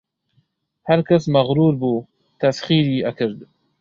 هەرکەس مەغروور بوو تەسخیری ئەکرد